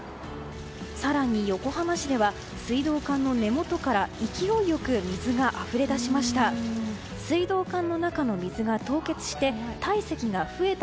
更に横浜市では水道管の根元から勢いよく水があふれ出しました。